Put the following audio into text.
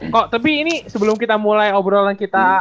kok tapi ini sebelum kita mulai obrolan kita